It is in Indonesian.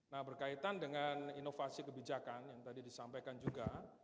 nah berkaitan dengan inovasi kebijakan yang tadi disampaikan juga